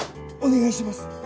お願いします。